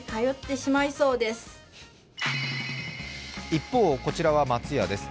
一方、こちらは松屋です。